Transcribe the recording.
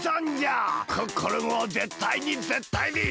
クックルンをぜったいにぜったいにゆるさないぞ！